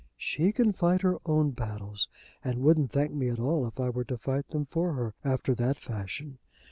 "She can fight her own battles, and wouldn't thank me at all if I were to fight them for her after that fashion.